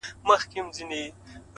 مړ مه سې، د بل ژوند د باب وخت ته،